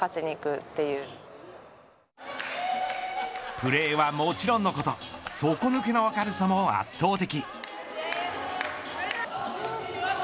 プレーはもちろんのこと底抜けの明るさも圧倒的。